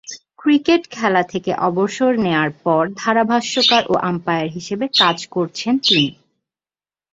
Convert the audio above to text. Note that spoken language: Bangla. ক্রিকেট খেলা থেকে অবসর নেয়ার পর ধারাভাষ্যকার ও আম্পায়ার হিসেবে কাজ করছেন তিনি।